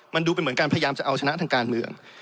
มันดูเป็นเหมือนการพยายามจะเอาชนะทางการเมือง